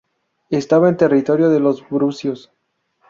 Estaba en territorio de los brucios.